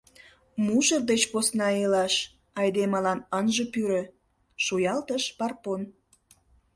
— Мужыр деч посна илаш айдемылан ынже пӱрӧ, — шуялтыш Парпон.